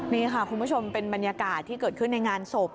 นี่ค่ะคุณผู้ชมเป็นบรรยากาศที่เกิดขึ้นในงานศพ